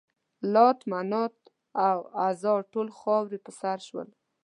لات، منات او عزا ټول خاورې په سر شول.